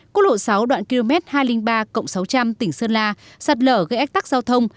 quốc lộ sáu đoạn km hai trăm linh ba cộng sáu trăm linh tỉnh sơn la sạt lở gây ách tắc giao thông